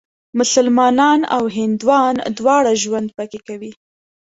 مسلمانان او هندوان دواړه ژوند پکې کوي.